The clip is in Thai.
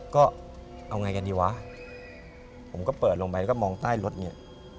ก็เอาไงกันดีวะผมก็เปิดลงไปแล้วก็มองใต้รถเนี่ย